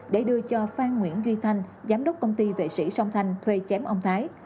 để đưa cho phan nguyễn duy thanh giám đốc công ty vệ sĩ sông thanh thuê chém ông thái